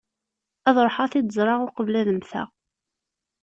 Ad ṛuḥeɣ ad t-id-ẓreɣ uqbel ad mmteɣ.